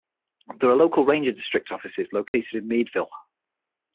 There are local ranger district offices located in Meadville.